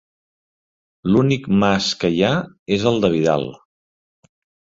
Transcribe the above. L'únic mas que hi ha és el de Vidal.